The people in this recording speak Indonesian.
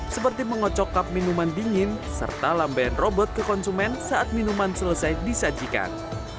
seperti mengocok kap minuman dingin serta lamben robot ke konsumen saat minuman selesai disajikan